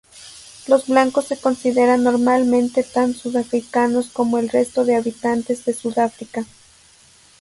Los blancos se consideran normalmente tan sudafricanos como el resto de habitantes de Sudáfrica.